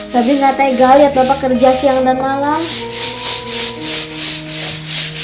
pebli gak tega lihat bapak kerja siang dan malam